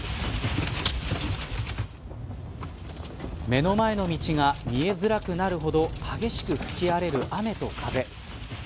目の前の道が見えづらくなるほど激しく吹き荒れる雨と風。